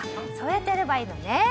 そうやってやればいいのね。